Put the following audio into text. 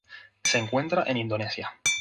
Se encuentran en Indonesia.